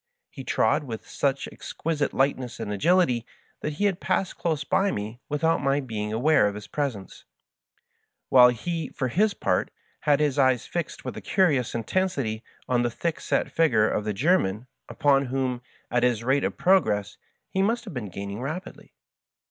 He trod with such exquisite lightness and agility that he had passed dose by me without my being aware of his presence, while he, for his part, had his eyes fixed with a curious intensity on the thick set figure of the German, upon whom, at his rate of prog ress, he must have been gaining rapidly.